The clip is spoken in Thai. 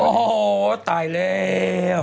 โอ้โหตายแล้ว